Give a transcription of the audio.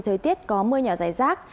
thời tiết có mưa nhỏ dài rác